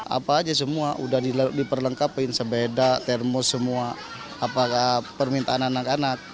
apa aja semua udah diperlengkapin sepeda termos semua apakah permintaan anak anak